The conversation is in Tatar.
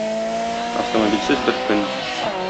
Автомобильсез бер көн